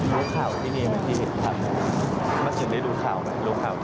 แม่ค่าก็ไม่รู้ไม่มีใครรู้อะไรแล้ว